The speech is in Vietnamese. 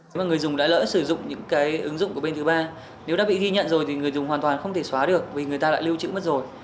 nếu mà người dùng đã lỡ sử dụng những cái ứng dụng của bên thứ ba nếu đã bị ghi nhận rồi thì người dùng hoàn toàn không thể xóa được vì người ta lại lưu trữ mất rồi